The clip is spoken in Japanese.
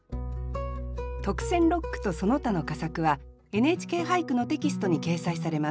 特選六句とその他の佳作は「ＮＨＫ俳句」のテキストに掲載されます。